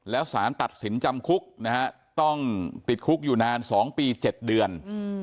แล้วสารตัดสินจำคุกนะฮะต้องติดคุกอยู่นาน๒ปี๗เดือน